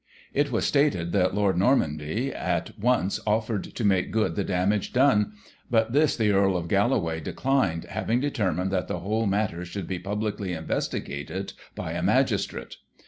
It was stated that Lord Normanby, at once, offered to make good the damage done, but this the Earl of Galloway declined, having determined that the whole matter should be publicly investigated by a magistrate.